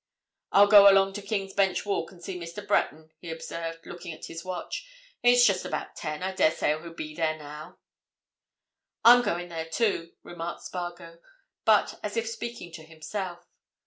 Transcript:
"I'll go along to King's Bench Walk and see Mr. Breton," he observed, looking at his watch. "It's just about ten—I daresay he'll be there now." "I'm going there, too," remarked Spargo, but as if speaking to himself.